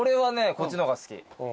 こっちの方が好き。